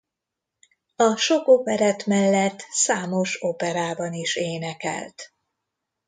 A sok operett mellett számos operában is énekelt.